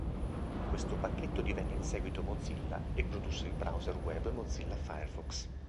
Questo pacchetto divenne in seguito Mozilla, e produsse il browser web Mozilla Firefox.